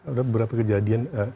ada beberapa kejadian